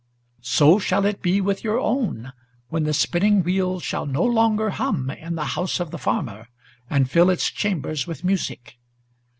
So shall it be with your own, when the spinning wheel shall no longer Hum in the house of the farmer, and fill its chambers with music.